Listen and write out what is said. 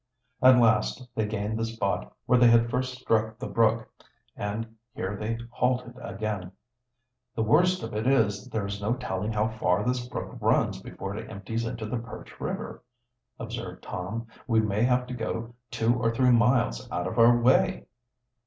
At last they gained the spot where they had first struck the brook, and here they halted again. "The worst of it is, there is no telling how far this brook runs before it empties into the Perch River," observed Tom. "We may have to go two or three miles out of our way."